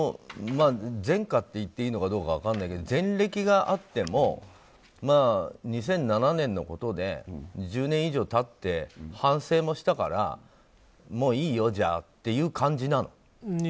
前科って言っていいのか分からないけど前歴があっても２００７年のことで１０年以上経って反省もしたからもういいよ、じゃあっていう感じなの？